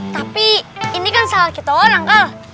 tapi ini kan salah kita orang kalah